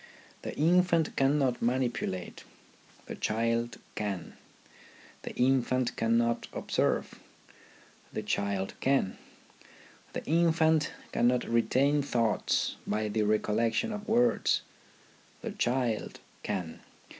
The infant cannot manipulate, the child can ; the infant cannot observe, the child can ; the infant cannot retain thoughts by the recollec tion of words, the child can.